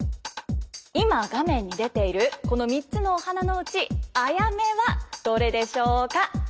今画面に出ているこの３つのお花のうちアヤメはどれでしょうか？